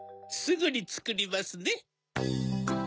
すぐにつくりますね。